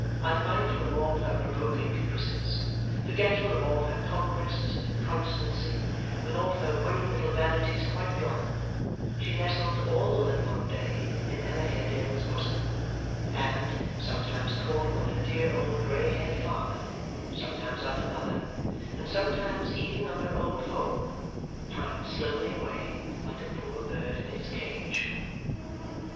Unmindful of all her provoking caprices, forgetful of all her conquests and inconstancy, with all her winning little vanities quite gone, she nestled all the livelong day in Emma Haredale's bosom; and, sometimes calling on her dear old grey haired father, sometimes on her mother, and sometimes even on her old home, pined slowly away, like a poor bird in its cage.